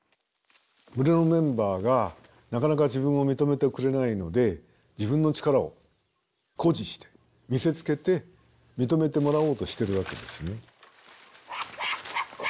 群れのメンバーがなかなか自分を認めてくれないので自分の力を誇示して見せつけて認めてもらおうとしてるわけですね。